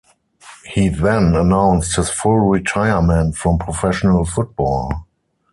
He then announced his full retirement from professional football.